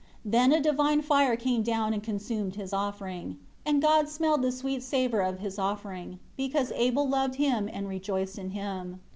Then a divine fire came down and consumed his offering. And God smelled the sweet savor of his offering; because Abel loved Him and rejoice in Him.